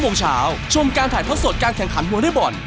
โมงเช้าชมการถ่ายทอดสดการแข่งขันวอเล็กบอล